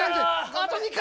あと２回！